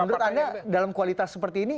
menurut anda dalam kualitas seperti ini